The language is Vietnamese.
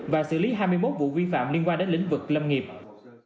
và xử lý hai mươi một vụ vi phạm liên quan đến lĩnh vực lâm nghiệp